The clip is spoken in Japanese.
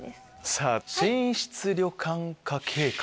さぁ「寝室旅館化計画」。